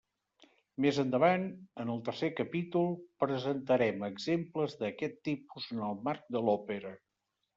Més endavant, en el tercer capítol, presentarem exemples d'aquest tipus en el marc de l'òpera.